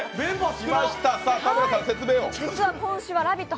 実は今週は「ラヴィット！